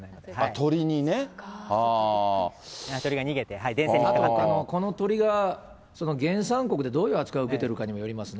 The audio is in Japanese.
鳥が逃げて、この鳥が、原産国でどういう扱いを受けてるかにもよりますね。